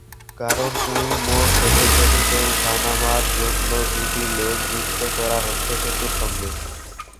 কারণ, ওই মোড় থেকে সেতুতে ওঠা-নামর জন্য দু’টি লেন যুক্ত করা হচ্ছে সেতুর সঙ্গে।